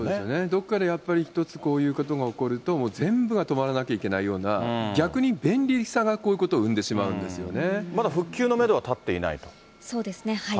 どっかでやっぱり一つ、こういうことが起こると、もう全部が止まらなきゃいけないような、逆に便利さがこういうことを生んでしまうんですよね。